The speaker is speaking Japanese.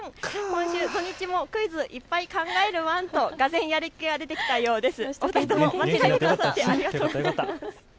今週もクイズいっぱい考えるワン！とがぜんやる気が出てきたようです。